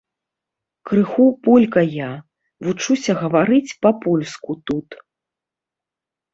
Крыху полька я, вучуся гаварыць па-польску тут.